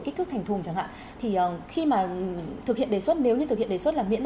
kích thước thành thùng chẳng hạn thì khi mà thực hiện đề xuất nếu như thực hiện đề xuất là miễn